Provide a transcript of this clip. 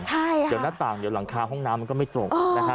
เดี๋ยวหน้าต่างเดี๋ยวหลังคาห้องน้ำมันก็ไม่ตรงนะฮะ